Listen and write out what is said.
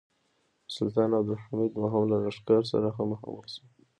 د سلطان عبدالحمید دوهم له لښکر سره هم مخامخ شو.